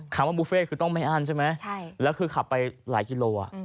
คำว่าบุฟเฟ่คือต้องไม่อั้นใช่ไหมแล้วคือขับไปหลายกิโล